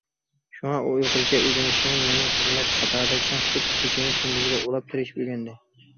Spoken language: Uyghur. شۇڭا ئۇ ئۇيغۇرچە ئۆگىنىشنى مۇھىم خىزمەت قاتارىدا چىڭ تۇتۇپ، كېچىنى كۈندۈزگە ئۇلاپ، تىرىشىپ ئۆگەندى.